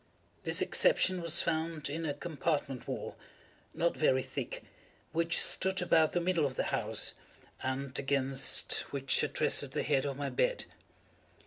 This exception was found in a compartment wall, not very thick, which stood about the middle of the house, and against which had rested the head of my bed.